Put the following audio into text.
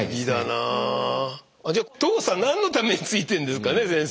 じゃあ糖鎖何のためについてんですかね？先生。